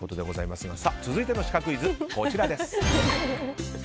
続いてのシカクイズはこちら。